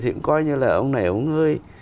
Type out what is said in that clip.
thì cũng coi như là ông này ông hơi